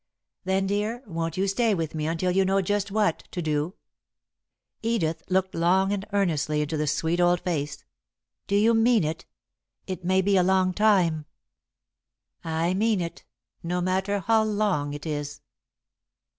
"Then, dear, won't you stay with me until you know just what to do?" Edith looked long and earnestly into the sweet old face. "Do you mean it? It may be a long time." "I mean it no matter how long it is."